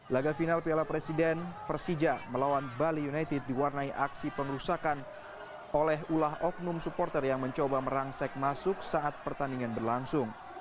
laga final piala presiden persija melawan bali united diwarnai aksi pengerusakan oleh ulah oknum supporter yang mencoba merangsek masuk saat pertandingan berlangsung